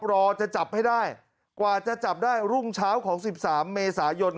รอจะจับให้ได้กว่าจะจับได้รุ่งเช้าของ๑๓เมษายน